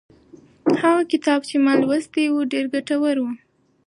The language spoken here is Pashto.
هغه کتاب چې ما لوستی و ډېر ګټور و.